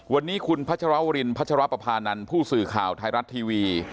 วันนี้คุณพัชรวรินพัชรปภานันทร์ผู้สื่อข่าวไทยรัฐทีวี